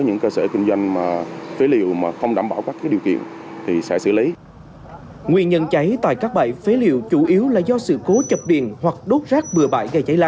nguy cơ cháy lan rất cao